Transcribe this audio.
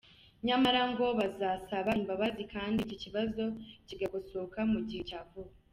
Nyamara ngo bazasaba imbabazi kandi iki kibazo kigakosoka mu gihe cya vuba.